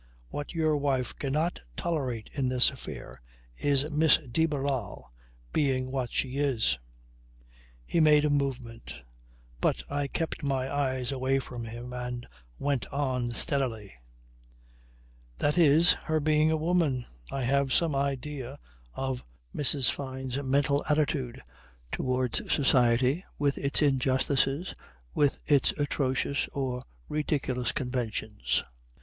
What your wife cannot tolerate in this affair is Miss de Barral being what she is." He made a movement, but I kept my eyes away from him and went on steadily. "That is her being a woman. I have some idea of Mrs. Fyne's mental attitude towards society with its injustices, with its atrocious or ridiculous conventions.